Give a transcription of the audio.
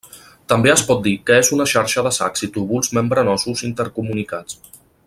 També es pot dir que és una xarxa de sacs i túbuls membranosos intercomunicats.